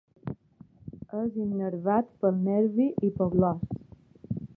És innervat pel nervi hipoglòs.